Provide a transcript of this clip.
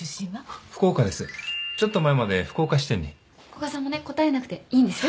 古賀さんもね答えなくていいんですよ。